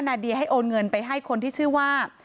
นาเดียให้โอนเงินไปให้คนที่ชื่อว่า